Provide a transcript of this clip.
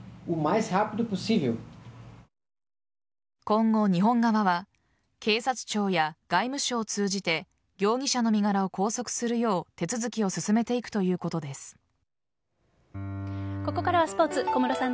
今後、日本側は警察庁や外務省を通じて容疑者の身柄を拘束するよう手続きを進めていくここからはスポーツ。